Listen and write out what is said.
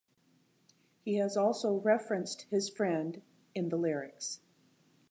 He has also referenced his friend in the lyrics.